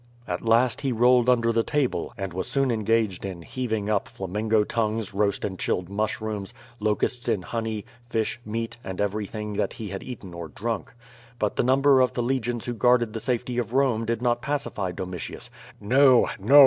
*' At last he rolled under the table, and was soon engaged in heaving up flamingo tongues, roast and chilled mushrooms, locusts in honey, flsh, meat, and everything that he had eaten or drunk. But the number of the legions who guarded the safety of Rome did not pacify Domitius: "Xo, no!"